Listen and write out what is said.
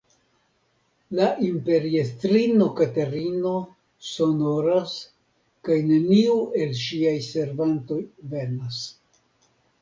La imperiestrino Katerino sonoras kaj neniu el ŝiaj servantoj venas.